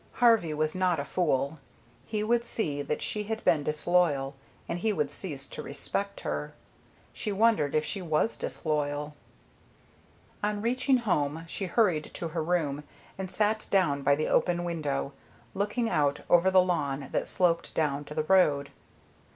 Harvey was not a fool. He would see that she had been disloyal, and he would cease to respect her. She wondered if she was disloyal. On reaching home she hurried to her room and sat down by the open window, looking out over the lawn that sloped down to the road.